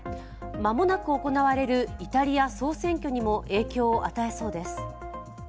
間もなく行われるイタリア総選挙にも影響を与えそうです。